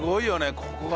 ここがね。